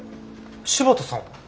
柴田さんは？